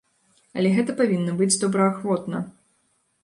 Але гэта павінна быць добраахвотна.